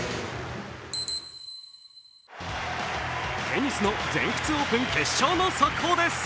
テニスの全仏オープン決勝の速報です。